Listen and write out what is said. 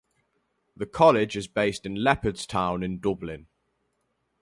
The College is based in Leopardstown in Dublin.